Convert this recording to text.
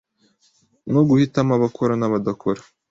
no guhitamo abakora nabadakora